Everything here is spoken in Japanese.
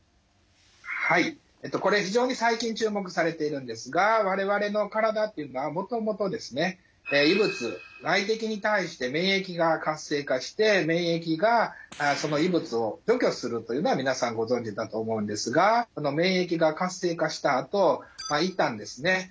はいこれ非常に最近注目されているんですが我々の体っていうのはもともとですね異物外敵に対して免疫が活性化して免疫がその異物を除去するというのは皆さんご存じだと思うんですが免疫が活性化したあと一旦ですね